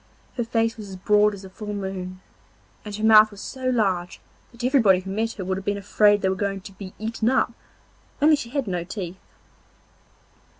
Her face was as broad as a full moon, and her mouth was so large that everybody who met her would have been afraid they were going to be eaten up, only she had no teeth.